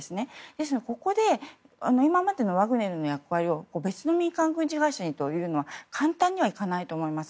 ですので、ここで今までのワグネルの役割を別の民間軍事会社にというのは簡単にはいかないと思います。